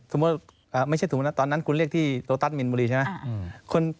สมมุติไม่ใช่สมมุตินะตอนนั้นคุณเรียกที่โต๊ะตั๊ดมิลบุรีใช่ไหม